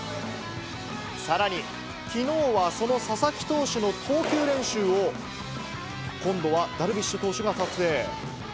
さらに、きのうはその佐々木投手の投球練習を、今度はダルビッシュ投手が撮影。